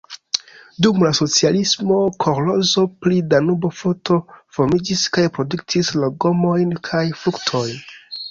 Dum la socialismo kolĥozo pri Danubo-floto formiĝis kaj produktis legomojn kaj fruktojn.